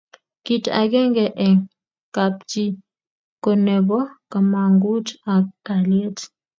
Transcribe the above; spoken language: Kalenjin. kit akenge eng' kap chi ko nebo kamangut ak kaliet